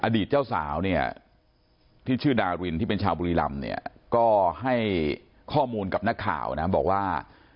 อดีตเจ้าสาวที่ชื่อดาวินที่เป็นชาวบุรีรำก็ให้ข้อมูลกับนักข่าวนะบอกว่า